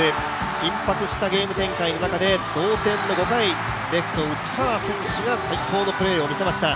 緊迫したゲーム展開の中で同点の５回、レフト内川選手が最高のプレーを見せました。